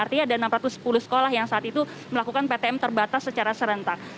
artinya ada enam ratus sepuluh sekolah yang saat itu melakukan ptm terbatas secara serentak